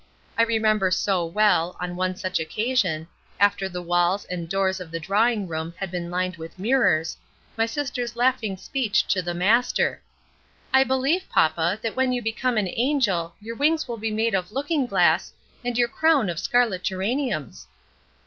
I remember so well, on one such occasion, after the walls and doors of the drawing room had been lined with mirrors, my sister's laughing speech to "the master": "I believe papa, that when you become an angel your wings will be made of looking glass and your crown of scarlet geraniums."